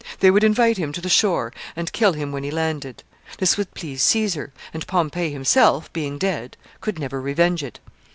They would invite him to the shore, and kill him when he landed. This would please Caesar; and Pompey himself, being dead, could never revenge it.